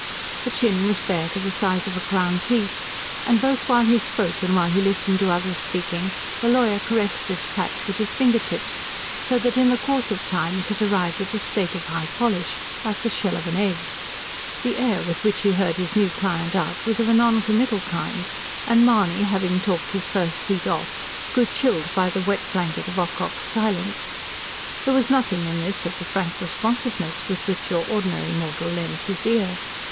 The chin was bare to the size of a crown piece; and, both while he spoke and while he listened to others speaking, the lawyer caressed this patch with his finger tips; so that in the course of time it had arrived at a state of high polish like the shell of an egg. The air with which he heard his new client out was of a non committal kind; and Mahony, having talked his first heat off, grew chilled by the wet blanket of Ocock's silence. There was nothing in this of the frank responsiveness with which your ordinary mortal lends his ear.